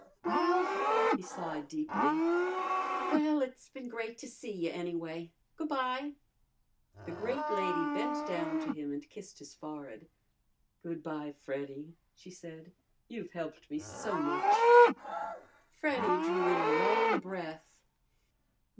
Well," he sighed deeply "well, it's been great to see you, anyway. Goo' bye." The great lady bent down to him and kissed his forehead. "Good bye, Freddy," she said. "You've helped me so much." Freddy drew in a long breath.